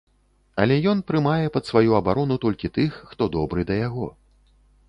Але ён прымае пад сваю абарону толькі тых, хто добры да яго.